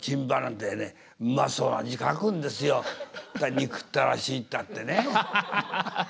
憎たらしいったってね。